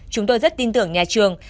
chúng tôi rất tin tưởng nhà trường